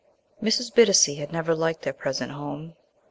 ~VI~ Mrs. Bittacy had never liked their present home.